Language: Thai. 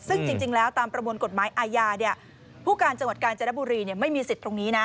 ซึ่งจริงแล้วตามประมวลกฎหมายอาญาผู้การจังหวัดกาญจนบุรีไม่มีสิทธิ์ตรงนี้นะ